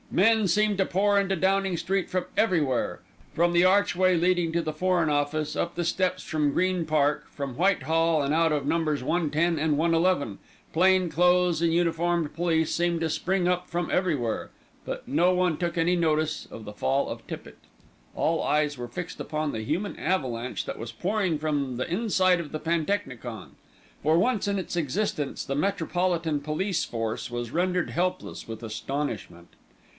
Men seemed to pour into Downing Street from everywhere: from the archway leading to the Foreign Office, up the steps from Green Park, from Whitehall and out of Numbers 110 and 111. Plain clothes and uniformed police seemed to spring up from everywhere; but no one took any notice of the fall of Tippitt. All eyes were fixed upon the human avalanche that was pouring from the inside of the pantechnicon. For once in its existence the Metropolitan Police Force was rendered helpless with astonishment.